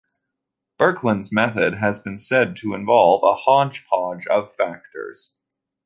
Berkland's method has been said to also involve "a hodge-podge of factors".